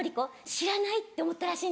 知らない」って思ったらしいんですよ。